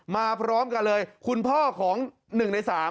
พร้อมกันเลยคุณพ่อของ๑ใน๓